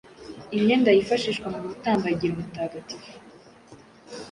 Imyenda yifashishwa mu mutambagiro mutagatifu,